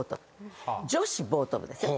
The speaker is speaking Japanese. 女子ボート部ですよ。